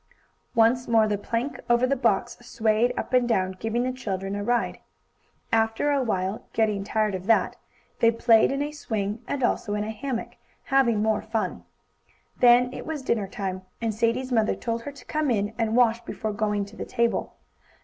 Once more the plank over the box swayed up and down, giving the children a ride. After a while, getting tired of that, they played in a swing and also in a hammock, having more fun. Then it was dinner time, and Sadie's mother told her to come in and wash before going to the table.